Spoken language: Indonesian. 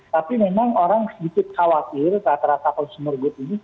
tapi memang orang sedikit khawatir rata rata consumer good ini